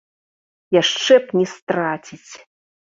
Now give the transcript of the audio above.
Яшчэ б не страціць!